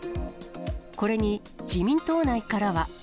これに自民党内からは。